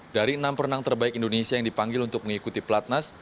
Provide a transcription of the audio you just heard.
dari enam perenang terbaik indonesia yang dipanggil untuk mengikuti pelatnas